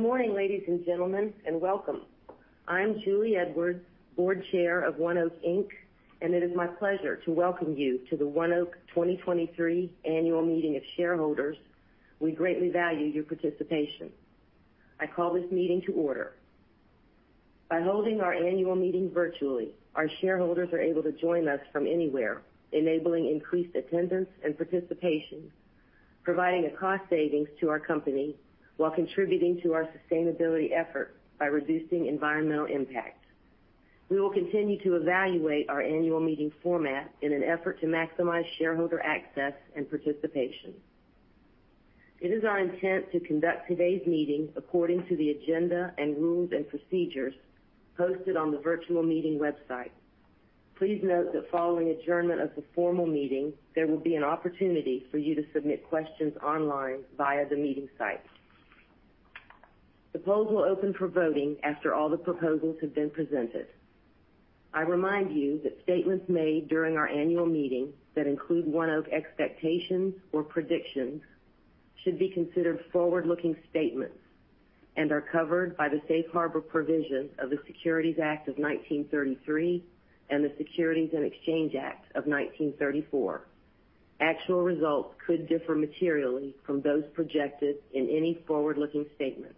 Good morning, ladies and gentlemen, welcome. I'm Julie H. Edwards, Board Chair of ONEOK, Inc. It is my pleasure to welcome you to the ONEOK 2023 Annual Meeting of Shareholders. We greatly value your participation. I call this meeting to order. By holding our annual meeting virtually, our shareholders are able to join us from anywhere, enabling increased attendance and participation, providing a cost savings to our company while contributing to our sustainability effort by reducing environmental impact. We will continue to evaluate our annual meeting format in an effort to maximize shareholder access and participation. It is our intent to conduct today's meeting according to the agenda and rules and procedures posted on the virtual meeting website. Please note that following adjournment of the formal meeting, there will be an opportunity for you to submit questions online via the meeting site. The polls will open for voting after all the proposals have been presented. I remind you that statements made during our annual meeting that include ONEOK expectations or predictions should be considered forward-looking statements and are covered by the safe harbor provisions of the Securities Act of 1933 and the Securities Exchange Act of 1934. Actual results could differ materially from those projected in any forward-looking statement.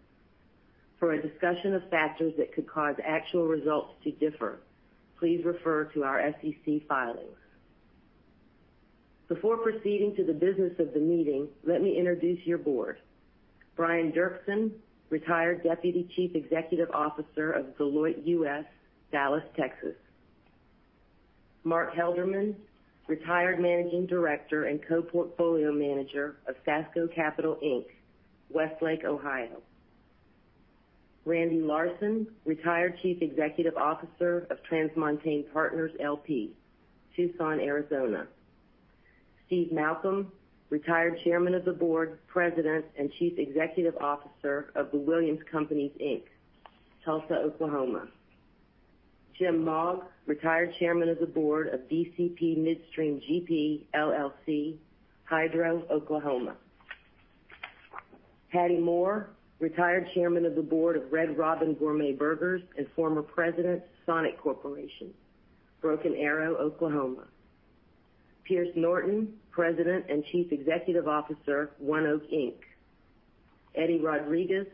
For a discussion of factors that could cause actual results to differ, please refer to our SEC filings. Before proceeding to the business of the meeting, let me introduce your board. Brian Derksen, Retired Deputy Chief Executive Officer of Deloitte US, Dallas, Texas. Mark Helderman, Retired Managing Director and Co-Portfolio Manager of Sasco Capital Inc, Westlake, Ohio. Randall Larson, Retired Chief Executive Officer of TransMontaigne Partners LP, Tucson, Arizona. Steve Malcolm, Retired Chairman of the Board, President, and Chief Executive Officer of The Williams Companies, Inc, Tulsa, Oklahoma. Jim Mogg, Retired Chairman of the Board of DCP Midstream GP, LLC, Hydro, Oklahoma. Patty Moore, Retired Chairman of the Board of Red Robin Gourmet Burgers and former President, Sonic Corp, Broken Arrow, Oklahoma. Pierce Norton, President and Chief Executive Officer, ONEOK, Inc; Eddie Rodriguez,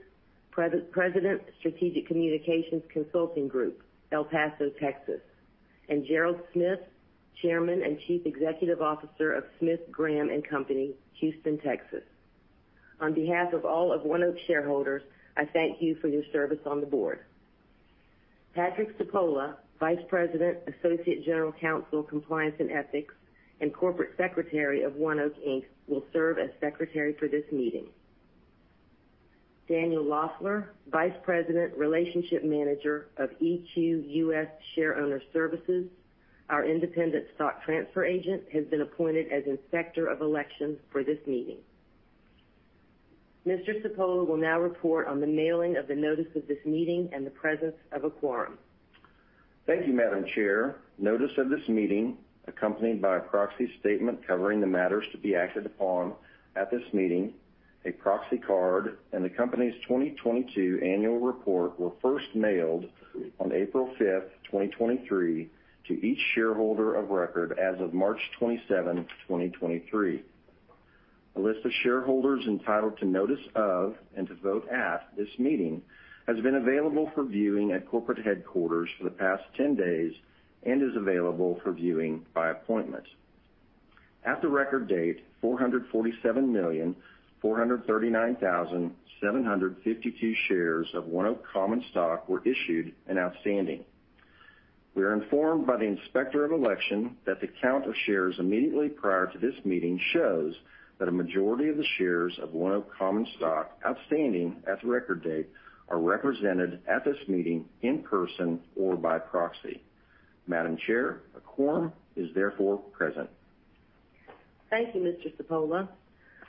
President, Strategic Communications Consulting Group, El Paso, Texas; Gerald Smith, Chairman and Chief Executive Officer of Smith Graham & Company, Houston, Texas. On behalf of all of ONEOK shareholders, I thank you for your service on the board. Patrick Cipolla, Vice President, Associate General Counsel, Compliance and Ethics, and Corporate Secretary of ONEOK, Inc, will serve as Secretary for this meeting. Daniel Loeffler, Vice President, Relationship Manager of EQ Shareowner Services, our independent stock transfer agent, has been appointed as Inspector of Elections for this meeting. Mr. Cipolla will now report on the mailing of the notice of this meeting and the presence of a quorum. Thank you, Madam Chair. Notice of this meeting, accompanied by a proxy statement covering the matters to be acted upon at this meeting, a proxy card, and the company's 2022 annual report were first mailed on April 5, 2023, to each shareholder of record as of March 27, 2023. A list of shareholders entitled to notice of and to vote at this meeting has been available for viewing at corporate headquarters for the past 10 days and is available for viewing by appointment. At the record date, 447,439,752 shares of ONEOK common stock were issued and outstanding. We are informed by the Inspector of Election that the count of shares immediately prior to this meeting shows that a majority of the shares of ONEOK common stock outstanding at the record date are represented at this meeting in person or by proxy. Madam Chair, a quorum is therefore present. Thank you, Mr. Cipolla.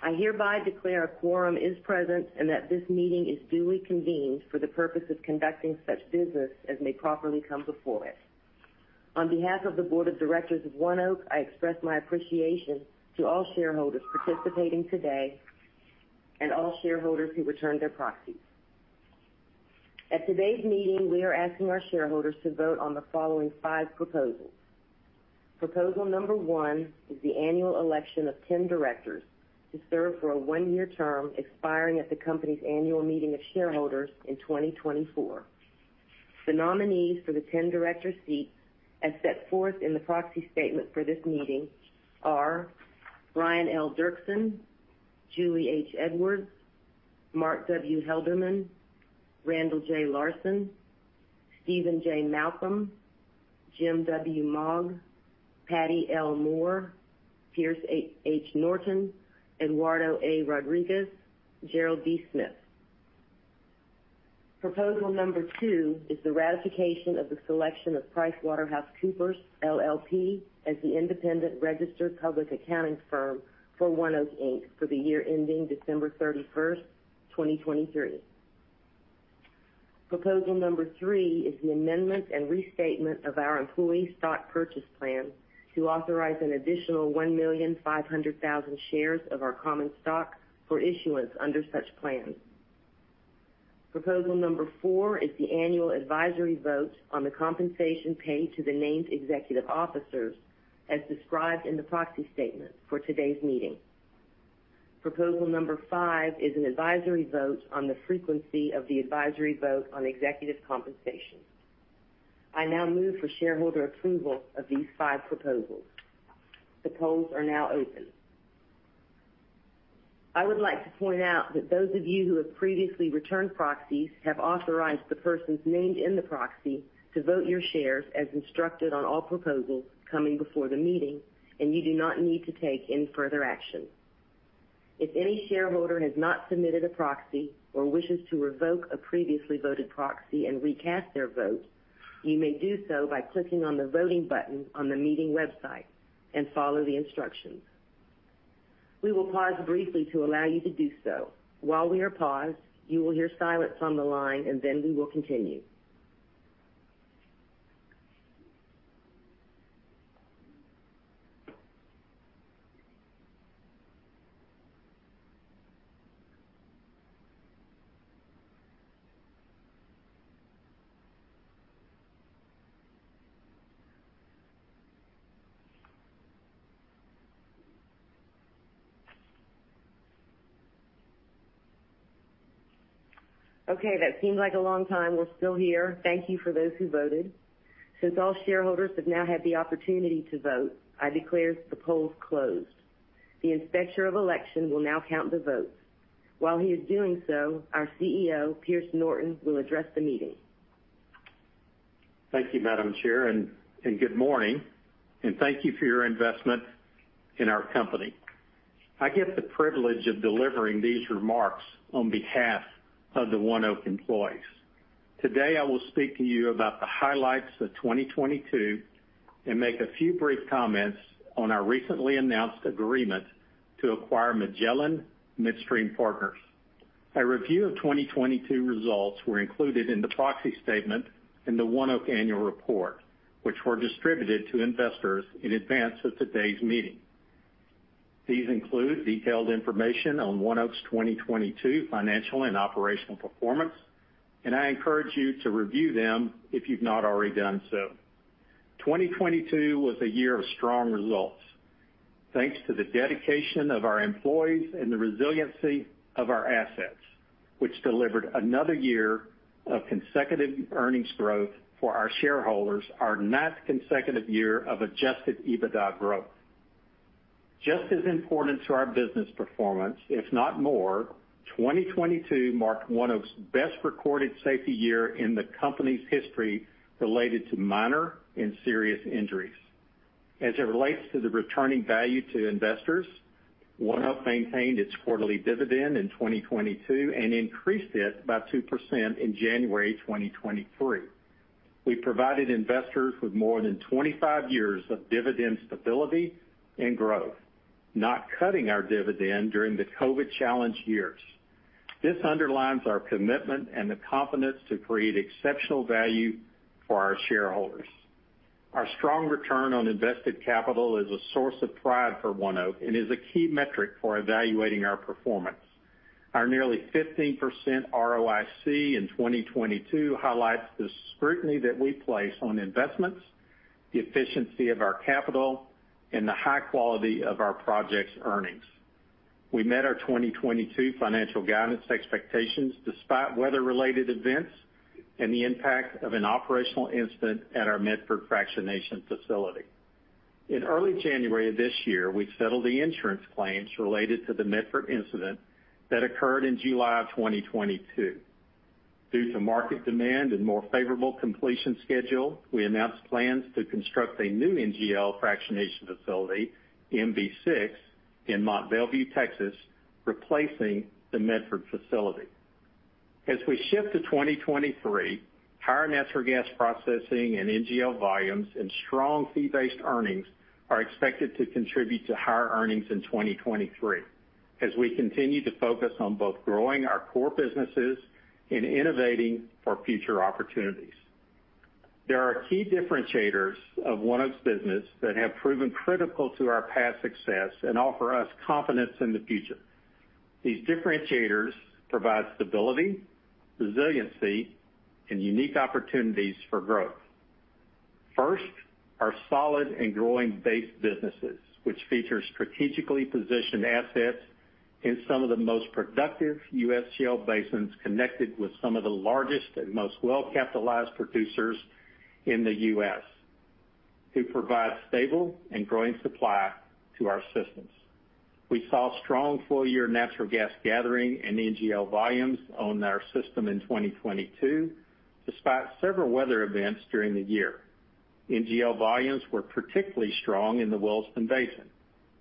I hereby declare a quorum is present and that this meeting is duly convened for the purpose of conducting such business as may properly come before it. On behalf of the Board of Directors of ONEOK, I express my appreciation to all shareholders participating today and all shareholders who returned their proxies. At today's meeting, we are asking our shareholders to vote on the following five proposals. Proposal number 1 is the annual election of 10 directors to serve for a 1-year term expiring at the company's annual meeting of shareholders in 2024. The nominees for the 10 director seats, as set forth in the proxy statement for this meeting, are Brian L. Derksen, Julie H. Edwards, Mark W. Helderman, Randall J. Larson, Steven J. Malcolm, Jim W. Mogg, Pattye L. Moore, Pierce H. Norton II, Eduardo A. Rodriguez, Gerald B. Smith. Proposal number two is the ratification of the selection of PricewaterhouseCoopers LLP as the independent registered public accounting firm for ONEOK, Inc for the year ending December 31, 2023. Proposal number three is the amendment and restatement of our employee stock purchase plan to authorize an additional 1,500,000 shares of our common stock for issuance under such plans. Proposal number four is the annual advisory vote on the compensation paid to the named executive officers as described in the proxy statement for today's meeting. Proposal number five is an advisory vote on the frequency of the advisory vote on executive compensation. I now move for shareholder approval of these five proposals. The polls are now open. I would like to point out that those of you who have previously returned proxies have authorized the persons named in the proxy to vote your shares as instructed on all proposals coming before the meeting, and you do not need to take any further action. If any shareholder has not submitted a proxy or wishes to revoke a previously voted proxy and recast their vote, you may do so by clicking on the voting button on the meeting website and follow the instructions. We will pause briefly to allow you to do so. While we are paused, you will hear silence on the line and then we will continue. Okay, that seemed like a long time. We're still here. Thank you for those who voted. Since all shareholders have now had the opportunity to vote, I declare the polls closed. The Inspector of Election will now count the votes. While he is doing so, our CEO, Pierce Norton, will address the meeting. Thank you, Madam Chair, good morning, and thank you for your investment in our company. I get the privilege of delivering these remarks on behalf of the ONEOK employees. Today, I will speak to you about the highlights of 2022 and make a few brief comments on our recently announced agreement to acquire Magellan Midstream Partners. A review of 2022 results were included in the proxy statement in the ONEOK annual report, which were distributed to investors in advance of today's meeting. These include detailed information on ONEOK's 2022 financial and operational performance, and I encourage you to review them if you've not already done so. 2022 was a year of strong results. Thanks to the dedication of our employees and the resiliency of our assets, which delivered another year of consecutive earnings growth for our shareholders, our ninth consecutive year of adjusted EBITDA growth. Just as important to our business performance, if not more, 2022 marked ONEOK's best-recorded safety year in the company's history related to minor and serious injuries. As it relates to the returning value to investors, ONEOK maintained its quarterly dividend in 2022 and increased it by 2% in January 2023. We provided investors with more than 25 years of dividend stability and growth, not cutting our dividend during the COVID-challenged years. This underlines our commitment and the confidence to create exceptional value for our shareholders. Our strong return on invested capital is a source of pride for ONEOK and is a key metric for evaluating our performance. Our nearly 15% ROIC in 2022 highlights the scrutiny that we place on investments, the efficiency of our capital, and the high quality of our projects earnings. We met our 2022 financial guidance expectations despite weather-related events and the impact of an operational incident at our Medford Fractionation Facility. In early January of this year, we settled the insurance claims related to the Medford incident that occurred in July of 2022. Due to market demand and more favorable completion schedule, we announced plans to construct a new NGL fractionation facility, MB-6, in Mont Belvieu, Texas, replacing the Medford facility. As we shift to 2023, higher natural gas processing and NGL volumes and strong fee-based earnings are expected to contribute to higher earnings in 2023 as we continue to focus on both growing our core businesses and innovating for future opportunities. There are key differentiators of ONEOK's business that have proven critical to our past success and offer us confidence in the future. These differentiators provide stability, resiliency, and unique opportunities for growth. Our solid and growing base businesses, which feature strategically positioned assets in some of the most productive U.S. shale basins connected with some of the largest and most well-capitalized producers in the U.S. who provide stable and growing supply to our systems. We saw strong full-year natural gas gathering and NGL volumes on our system in 2022, despite several weather events during the year. NGL volumes were particularly strong in the Williston Basin,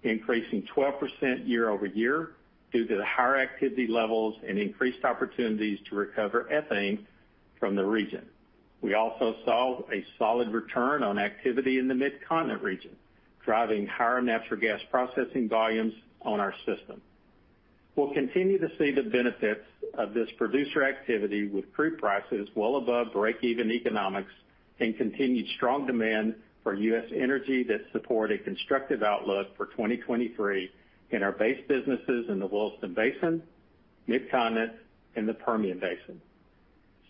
increasing 12% year-over-year due to the higher activity levels and increased opportunities to recover ethane from the region. We also saw a solid return on activity in the Mid-Continent region, driving higher natural gas processing volumes on our system. We'll continue to see the benefits of this producer activity with crude prices well above break-even economics and continued strong demand for U.S. energy that support a constructive outlook for 2023 in our base businesses in the Williston Basin, Mid-Continent, and the Permian Basin.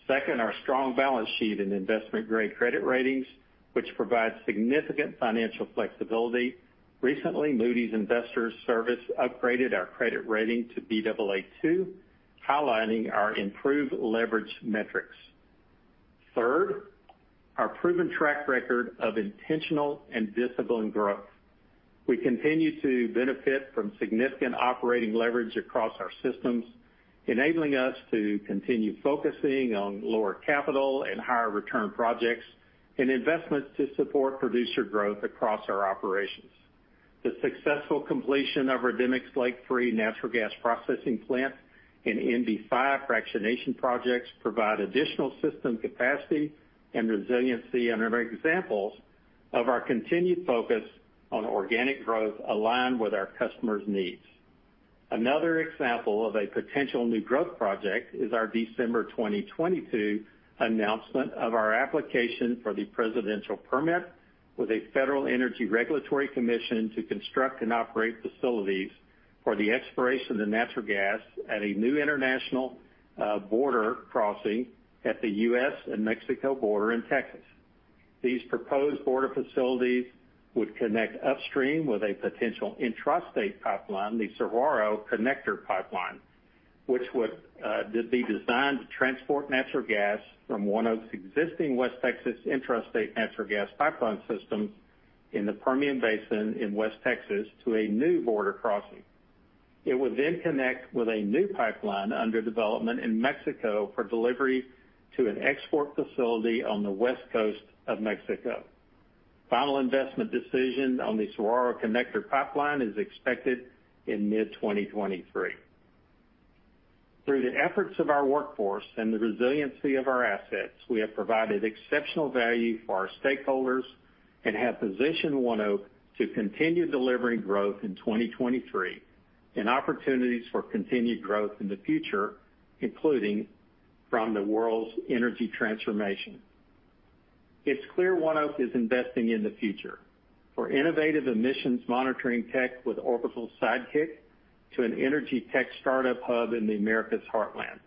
Second, our strong balance sheet and investment-grade credit ratings, which provide significant financial flexibility. Recently, Moody's Investors Service upgraded our credit rating to Baa2, highlighting our improved leverage metrics. Third, our proven track record of intentional and disciplined growth. We continue to benefit from significant operating leverage across our systems, enabling us to continue focusing on lower capital and higher return projects and investments to support producer growth across our operations. The successful completion of our Demicks Lake III natural gas processing plant and MB-5 fractionation projects provide additional system capacity and resiliency and are examples of our continued focus on organic growth aligned with our customers' needs. Another example of a potential new growth project is our December 2022 announcement of our application for the Presidential permit with a Federal Energy Regulatory Commission to construct and operate facilities for the exploration of natural gas at a new international border crossing at the U.S. and Mexico border in Texas. These proposed border facilities would connect upstream with a potential intrastate pipeline, the Saguaro Connector Pipeline. Which would be designed to transport natural gas from one of its existing West Texas intrastate natural gas pipeline systems in the Permian Basin in West Texas to a new border crossing. It would connect with a new pipeline under development in Mexico for delivery to an export facility on the west coast of Mexico. Final investment decision on the Saguaro Connector Pipeline is expected in mid-2023. Through the efforts of our workforce and the resiliency of our assets, we have provided exceptional value for our stakeholders and have positioned ONEOK to continue delivering growth in 2023 and opportunities for continued growth in the future, including from the world's energy transformation. It's clear ONEOK is investing in the future for innovative emissions monitoring tech with Orbital Sidekick to an energy tech startup hub in the America's Heartland.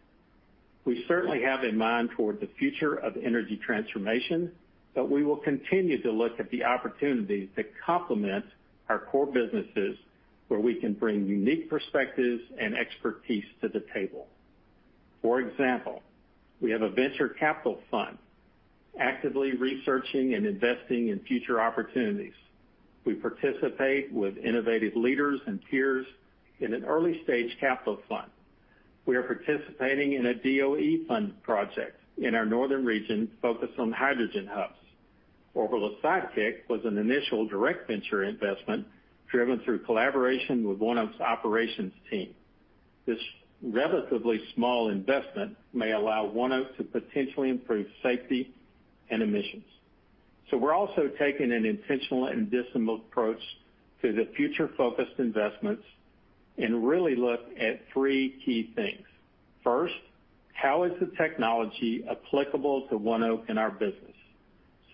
We certainly have in mind toward the future of energy transformation, but we will continue to look at the opportunities that complement our core businesses where we can bring unique perspectives and expertise to the table. For example, we have a venture capital fund actively researching and investing in future opportunities. We participate with innovative leaders and peers in an early-stage capital fund. We are participating in a DOE fund project in our northern region focused on hydrogen hubs. Orbital Sidekick was an initial direct venture investment driven through collaboration with ONEOK's operations team. This relatively small investment may allow ONEOK to potentially improve safety and emissions. We're also taking an intentional and disciplined approach to the future-focused investments and really look at 3 key things. First, how is the technology applicable to ONEOK in our business?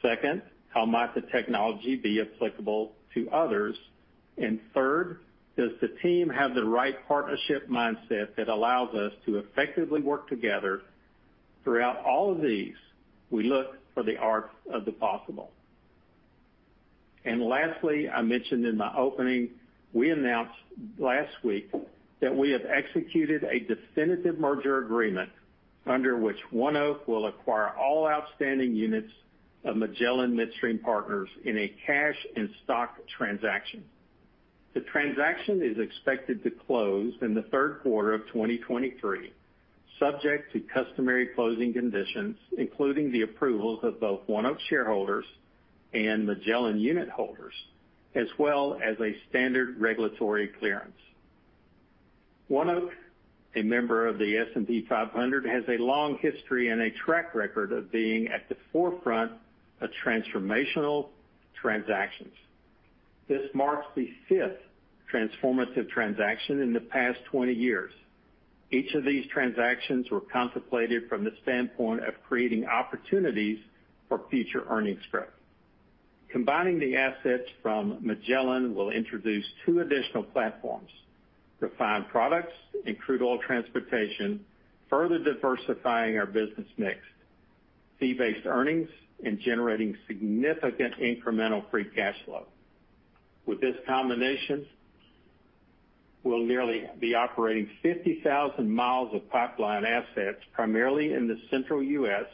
Second, how might the technology be applicable to others? Third, does the team have the right partnership mindset that allows us to effectively work together? Throughout all of these, we look for the art of the possible. Lastly, I mentioned in my opening, we announced last week that we have executed a definitive merger agreement under which ONEOK will acquire all outstanding units of Magellan Midstream Partners in a cash and stock transaction. The transaction is expected to close in the third quarter of 2023, subject to customary closing conditions, including the approvals of both ONEOK shareholders and Magellan unit holders, as well as a standard regulatory clearance. ONEOK, a member of the S&P 500, has a long history and a track record of being at the forefront of transformational transactions. This marks the fifth transformative transaction in the past 20 years. Each of these transactions were contemplated from the standpoint of creating opportunities for future earnings growth. Combining the assets from Magellan will introduce two additional platforms, refined products and crude oil transportation, further diversifying our business mix, fee-based earnings, and generating significant incremental free cash flow. With this combination, we'll nearly be operating 50,000 miles of pipeline assets primarily in the central U.S.,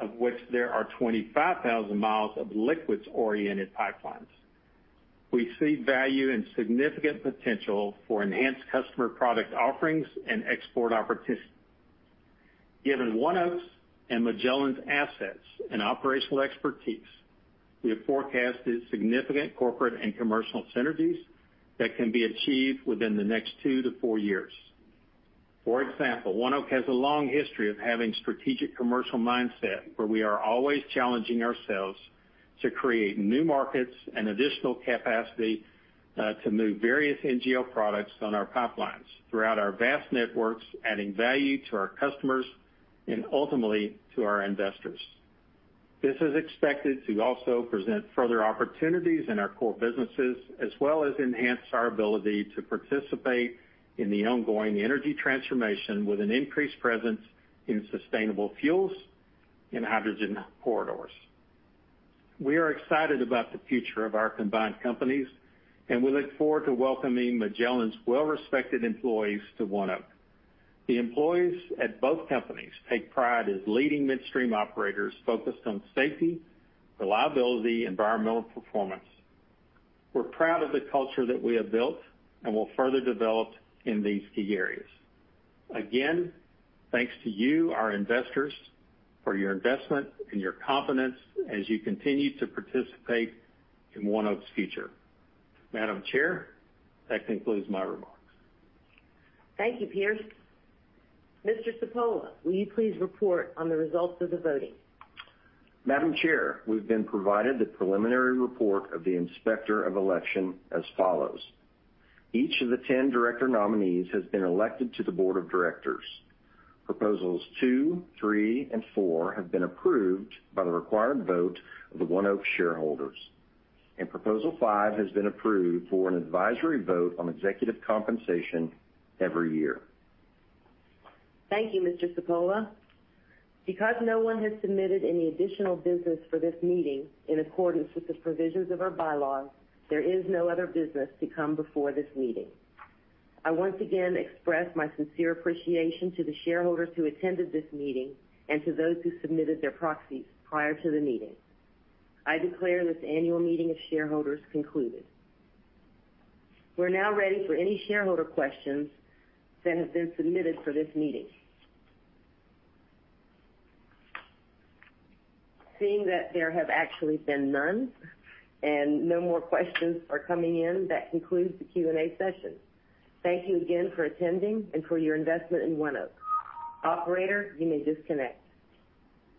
of which there are 25,000 miles of liquids-oriented pipelines. We see value and significant potential for enhanced customer product offerings and export opportunities. Given ONEOK's and Magellan's assets and operational expertise, we have forecasted significant corporate and commercial synergies that can be achieved within the next two to four years. For example, ONEOK has a long history of having strategic commercial mindset, where we are always challenging ourselves to create new markets and additional capacity to move various NGL products on our pipelines throughout our vast networks, adding value to our customers and ultimately to our investors. This is expected to also present further opportunities in our core businesses as well as enhance our ability to participate in the ongoing energy transformation with an increased presence in sustainable fuels and hydrogen corridors. We are excited about the future of our combined companies, and we look forward to welcoming Magellan's well-respected employees to ONEOK. The employees at both companies take pride as leading midstream operators focused on safety, reliability, environmental performance. We're proud of the culture that we have built and will further develop in these key areas. Again, thanks to you, our investors, for your investment and your confidence as you continue to participate in ONEOK's future. Madam Chair, that concludes my remarks. Thank you, Pierce. Mr. Cipolla, will you please report on the results of the voting? Madam Chair, we've been provided the preliminary report of the inspector of election as follows. Each of the 10 director nominees has been elected to the board of directors. Proposals two, three, and four have been approved by the required vote of the ONEOK shareholders. Proposal five has been approved for an advisory vote on executive compensation every year. Thank you, Mr. Cipolla. Because no one has submitted any additional business for this meeting, in accordance with the provisions of our bylaws, there is no other business to come before this meeting. I once again express my sincere appreciation to the shareholders who attended this meeting and to those who submitted their proxies prior to the meeting. I declare this annual meeting of shareholders concluded. We're now ready for any shareholder questions that have been submitted for this meeting. Seeing that there have actually been none, no more questions are coming in, that concludes the Q&A session. Thank you again for attending and for your investment in ONEOK. Operator, you may disconnect.